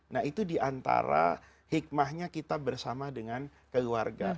nah itu diantara hikmahnya kita bersama dengan keluarga